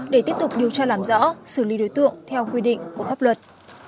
để tiếp tục điều tra làm rõ xử lý đối tượng theo quy định của pháp luật